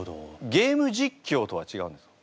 ゲーム実況とは違うんですか？